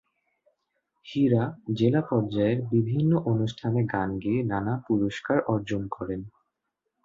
হীরা জেলা পর্যায়ের বিভিন্ন অনুষ্ঠানে গান গেয়ে নানা পুরস্কার অর্জন করেন।